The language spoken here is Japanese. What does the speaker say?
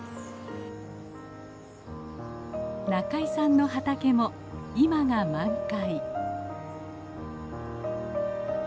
仲井さんの畑も今が満開。